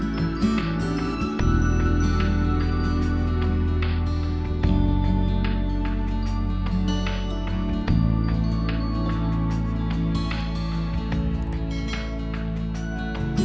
setelah gitu saya permisi